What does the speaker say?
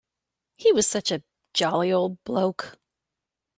He was such a jolly old bloke.